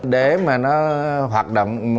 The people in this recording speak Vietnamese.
để mà nó hoạt động